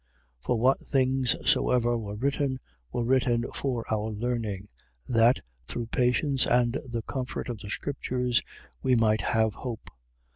15:4. For what things soever were written were written for our learning: that, through patience and the comfort of the scriptures, we might have hope.